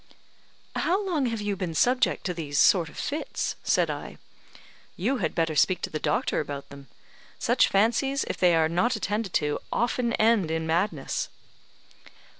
"How long have you been subject to these sort of fits?" said I. "You had better speak to the doctor about them. Such fancies, if they are not attended to, often end in madness."